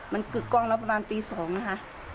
มันกึกกล้องแล้วประมาณตี๒นะคะ